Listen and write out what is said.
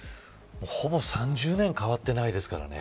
ほぼ３０年変わってないですからね。